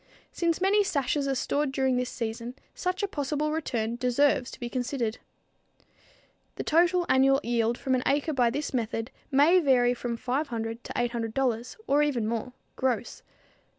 Since many sashes are stored during this season, such a possible return deserves to be considered. The total annual yield from an acre by this method may vary from $500 to $800 or even more gross.